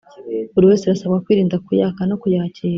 Buri wese arasabwa kwirinda kuyaka no kuyakira